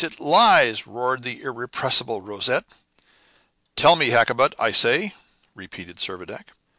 it lies!" roared the irrepressible Rosette. "Tell me, Hakkabut, I say," repeated Servadac.